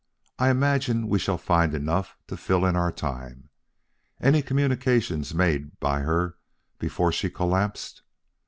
I imagine we shall find enough to fill in our time.... Any communications made by her before she collapsed?